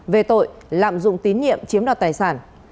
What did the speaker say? về tội lạm dụng tín nhiệm chiếm đoạt tài sản